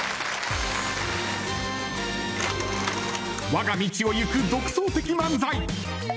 わが道をいく独創的漫才Ａ